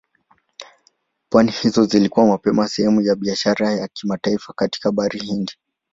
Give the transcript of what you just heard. Pwani hizo zilikuwa mapema sehemu ya biashara ya kimataifa katika Bahari Hindi.